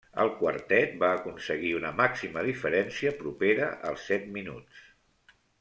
El quartet va aconseguir una màxima diferència propera als set minuts.